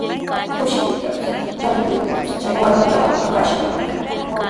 Kushikuytrawpis, llakikuytrawpis chay warmillawanmi kashaq.